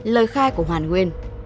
ba lời khai của hoàn nguyên